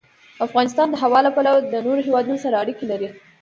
افغانستان د هوا له پلوه له نورو هېوادونو سره اړیکې لري.